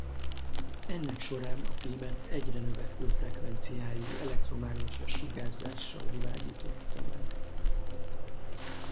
Ennek során a fémet egyre növekvő frekvenciájú elektromágneses sugárzással világította meg.